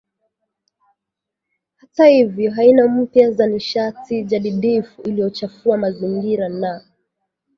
Hata hivyo aina mpya za nishati jadidifu isiyochafua mazingira na